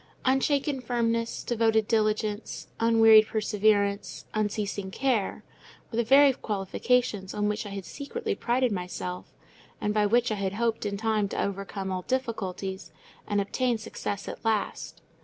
Unshaken firmness, devoted diligence, unwearied perseverance, unceasing care, were the very qualifications on which I had secretly prided myself; and by which I had hoped in time to overcome all difficulties, and obtain success at last.